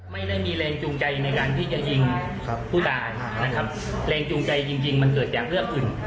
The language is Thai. ไม่ได้มีแรงจูงใจในการที่จะยิงผู้ตายนะครับแรงจูงใจจริงจริงมันเกิดจากเรื่องอื่น